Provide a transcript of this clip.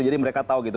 jadi mereka tahu gitu